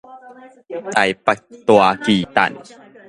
臺北大巨蛋